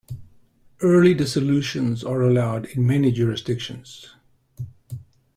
Early dissolutions are allowed in many jurisdictions.